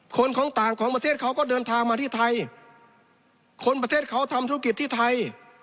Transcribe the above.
คนของต่างของประเทศเขาก็เดินทางมาที่ไทยคนประเทศเขาทำธุรกิจที่ไทย